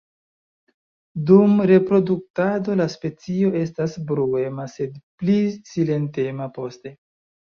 Dum reproduktado la specio estas bruema, sed pli silentema poste.